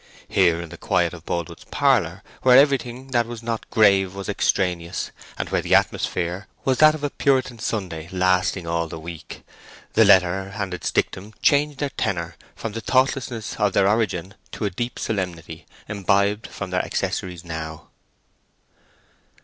Here, in the quiet of Boldwood's parlour, where everything that was not grave was extraneous, and where the atmosphere was that of a Puritan Sunday lasting all the week, the letter and its dictum changed their tenor from the thoughtlessness of their origin to a deep solemnity, imbibed from their accessories now.